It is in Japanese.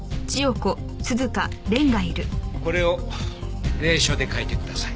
これを隷書で書いてください。